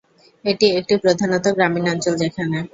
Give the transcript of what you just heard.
এটি একটি প্রধানত গ্রামীণ অঞ্চল, যেখানে।